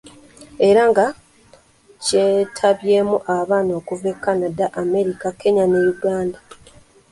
Era nga kyetabyemu abaana okuva e Canada, Amerika, Kenya ne Uganda.